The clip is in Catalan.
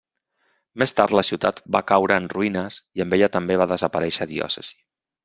Més tard, la ciutat va caure en roïnes i amb ella també va desaparèixer diòcesi.